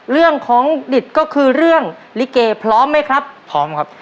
เรื่องของดิตก็คือเรื่องลิเกพร้อมไหมครับพร้อมครับ